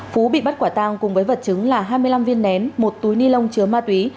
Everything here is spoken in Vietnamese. phú bị bắt quả tang cùng với vật chứng là hai mươi năm viên nén một túi ni lông chứa ma túy